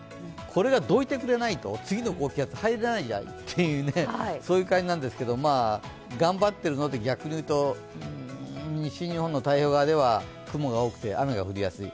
これがどいてくれないと、次の高気圧が入れないじゃんという感じなんですけど頑張ってるので、逆にいうと、西日本の太平洋側では雲が多くて雨が降りやすい。